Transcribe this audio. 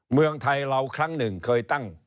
เมืองไทยเราครั้งหนึ่งเคยตั้ง